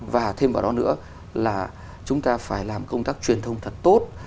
và thêm vào đó nữa là chúng ta phải làm công tác truyền thông thật tốt